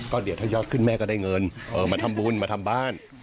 ก็เดี๋ยวถ้ายอดขึ้นแม่ก็ได้เงินมาทำบุญมาทำบ้าน